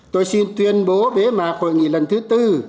tôi xin tuyên bố bế mạc hội nghị lần thứ tư